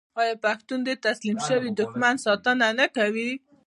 آیا پښتون د تسلیم شوي دښمن ساتنه نه کوي؟